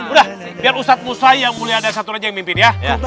udah biar ustadz musayi yang mulia dan satu saja yang pimpin ya